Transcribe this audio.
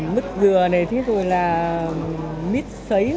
mứt dừa này mít sấy